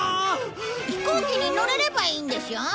飛行機に乗れればいいんでしょ？